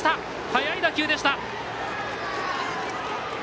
速い打球でした。